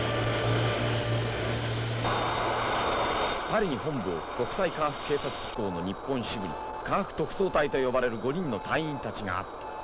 パリに本部を置く国際科学警察機構の日本支部に科学特捜隊と呼ばれる５人の隊員たちがあった。